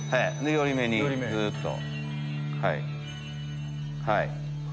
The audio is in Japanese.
寄り目にずっと。